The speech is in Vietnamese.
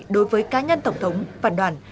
đối với cá nhân tổng thống phần đoàn